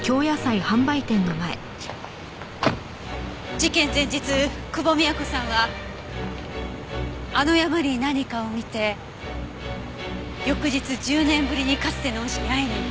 事件前日久保美也子さんはあの山に何かを見て翌日１０年ぶりにかつての恩師に会いに行った。